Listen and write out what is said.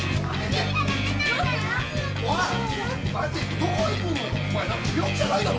どこ行くんだよ